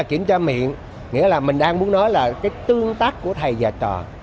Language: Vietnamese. kiểm tra miệng nghĩa là mình đang muốn nói là cái tương tác của thầy và trò